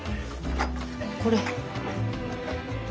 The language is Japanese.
これ。